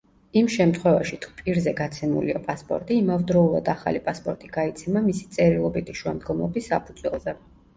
იმ შემთხვევაში, თუ პირზე გაცემულია პასპორტი, იმავდროულად ახალი პასპორტი გაიცემა მისი წერილობითი შუამდგომლობის საფუძველზე.